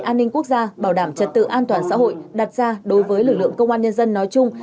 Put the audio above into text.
an ninh quốc gia bảo đảm trật tự an toàn xã hội đặt ra đối với lực lượng công an nhân dân nói chung